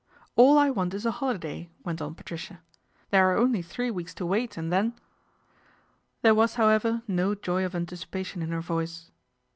" All I want is a holiday," went on Patricia " There are only three weeks to wait anc then " There was, however, no joy of anticipation ii her voice.